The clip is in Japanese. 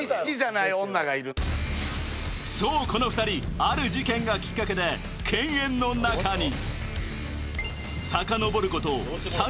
そう、この２人、ある事件がきっかけで犬猿の仲に。